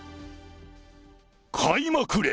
買いまくれ！